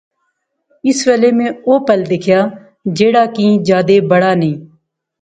اس ویلے میں او پل دکھیا جیہڑا کی جادے بڑا نئیں